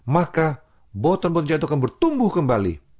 maka boton boton jahat akan bertumbuh kembali